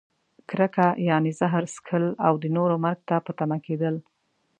کرکه؛ یعنې زهر څښل او د نورو مرګ ته په تمه کیدل.